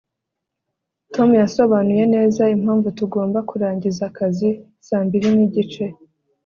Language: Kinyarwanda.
tom yasobanuye neza impamvu tugomba kurangiza akazi saa mbiri nigice